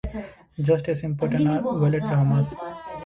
Just as important are Ewald's "dramas".